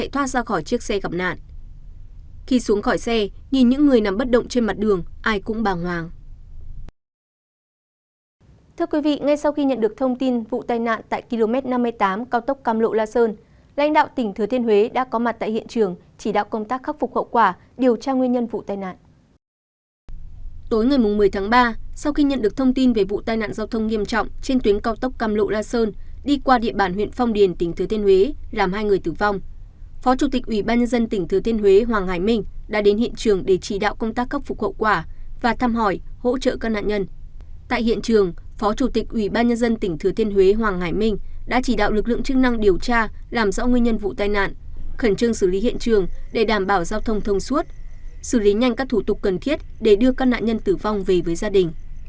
tại hiện trường phó chủ tịch ủy ban nhân dân tỉnh thứa thiên huế hoàng hải minh đã chỉ đạo lực lượng chức năng điều tra làm rõ nguyên nhân vụ tai nạn khẩn trương xử lý hiện trường để đảm bảo giao thông thông suốt xử lý nhanh các thủ tục cần thiết để đưa các nạn nhân tử vong về với gia đình